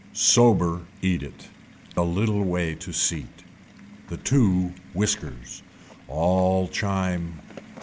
Sober eat it, a little way to seat. The two whiskers. All chime.